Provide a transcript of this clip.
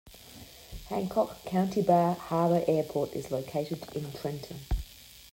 Hancock County-Bar Harbor Airport is located in Trenton.